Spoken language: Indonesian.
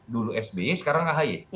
dulu sby sekarang ahy